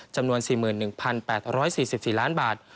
จำนวน๔๑๘๔๔ล้านบาท